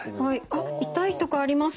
あっ痛いとこあります